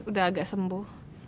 udah agak sembuh